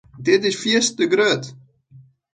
Dit is fierste grut.